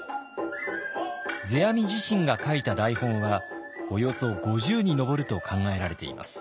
世阿弥自身が書いた台本はおよそ５０に上ると考えられています。